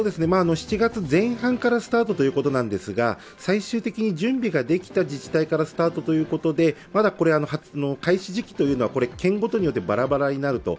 ７月前半からスタートということなんですが最終的に準備ができた自治体からスタートということでまだ開始時期は県ごとにバラバラになると。